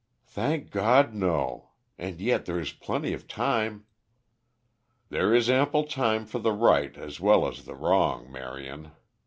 "Thank God, no. And yet there is plenty of time." "There is ample time for the right as well as the wrong, Marion.